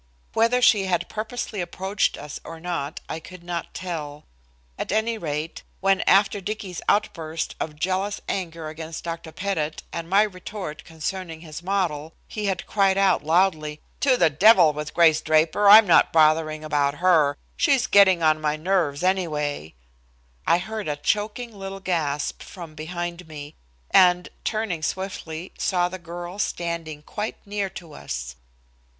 Whether she had purposely approached us or not, I could not tell. At any rate, when, after Dicky's outburst of jealous anger against Dr. Pettit and my retort concerning his model, he had cried out loudly, "To the devil with Grace Draper! I'm not bothering about her. She's getting on my nerves anyway," I heard a choking little gasp from behind me, and, turning swiftly, saw the girl standing quite near to us.